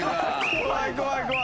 怖い怖い怖い。